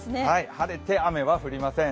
晴れて雨は降りません。